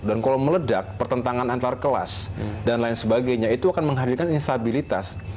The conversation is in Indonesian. dan kalau meledak pertentangan antarkelas dan lain sebagainya itu akan menghadirkan instabilitas